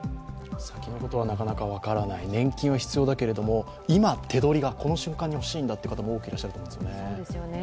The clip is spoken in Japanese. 先のことはなかなか分からない、年金は必要だけれども今手取りが、この瞬間多くほしいんだという方もいらっしゃいますよね。